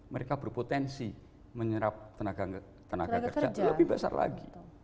mereka berpotensi menyerap tenaga kerja lebih besar lagi